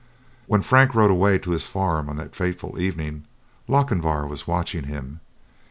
When Frank rode away to his farm on that fateful evening, Lochinvar was watching him.